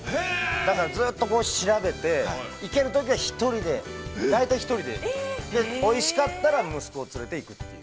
だからずっと調べて、行けるときは１人で、大体１人で、おいしかったら、息子を連れていく。